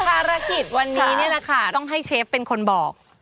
ภารกิจวันนี้นี่แหละค่ะต้องให้เชฟเป็นคนบอก